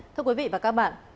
thưa quý vị và các bạn